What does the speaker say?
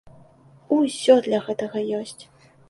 Усё для гэтага ёсць!